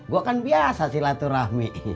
gue kan biasa silaturahmi